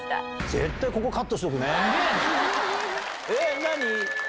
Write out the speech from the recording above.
絶対ここ、カットしとくね。